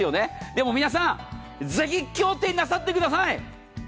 でも皆さん、ぜひ今日手にしてください。